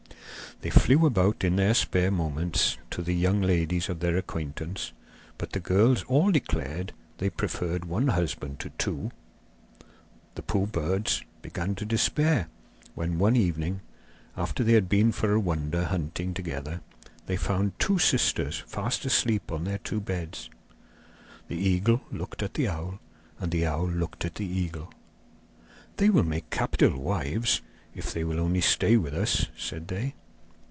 They flew about in their spare moments to the young ladies of their acquaintance, but the girls all declared they preferred one husband to two. The poor birds began to despair, when, one evening, after they had been for a wonder hunting together, they found two sisters fast asleep on their two beds. The eagle looked at the owl and the owl looked at the eagle. 'They will make capital wives if they will only stay with us,' said they.